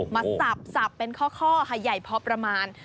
มาสับเป็นข้อใหญ่พอประมาณ